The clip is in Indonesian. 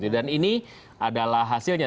dan ini adalah hasilnya